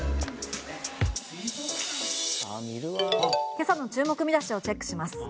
今朝の注目見出しをチェックします。